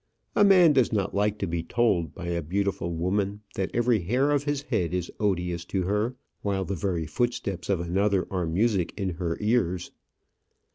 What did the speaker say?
A man does not like to be told by a beautiful woman that every hair of his head is odious to her, while the very footsteps of another are music in her ears.